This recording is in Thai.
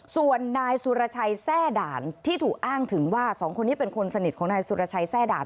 ส่วนนายสุรชัยแทร่ด่านที่ถูกอ้างถึงว่าสองคนนี้เป็นคนสนิทของนายสุรชัยแทร่ด่าน